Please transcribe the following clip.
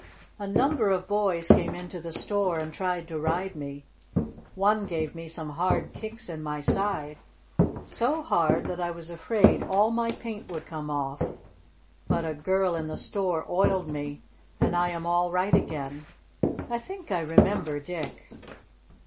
"A number of boys came into the store and tried to ride me. One gave me some hard kicks in my side so hard that I was afraid all my paint would come off. But a girl in the store oiled me, and I am all right again. I think I remember Dick."